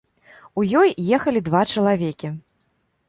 У ёй ехалі два чалавекі.